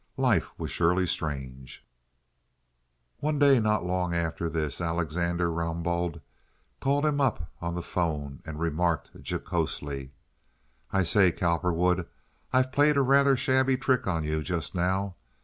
Life was surely strange. One day not long after this Alexander Rambaud called him up on the 'phone and remarked, jocosely: "I say, Cowperwood, I've played a rather shabby trick on you just now.